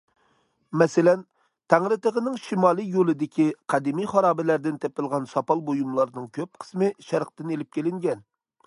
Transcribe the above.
مەسىلەن: تەڭرىتېغىنىڭ شىمالىي يولىدىكى قەدىمىي خارابىلەردىن تېپىلغان ساپال بۇيۇملارنىڭ كۆپ قىسمى شەرقتىن ئېلىپ كېلىنگەن.